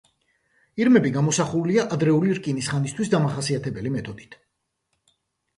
ირმები გამოსახულია ადრეული რკინის ხანისათვის დამახასიათებელი მეთოდით.